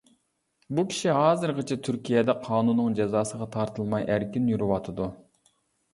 بۇ كىشى ھازىرغىچە تۈركىيەدە قانۇننىڭ جازاسىغا تارتىلماي ئەركىن يۈرۈۋاتىدۇ.